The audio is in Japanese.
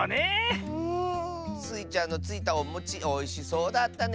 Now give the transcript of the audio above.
スイちゃんのついたおもちおいしそうだったね！